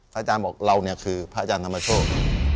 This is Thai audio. อาจารย์บอกเราเนี่ยคือพระอาจารย์ธรรมโชค